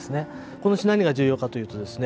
この石何が重要かというとですね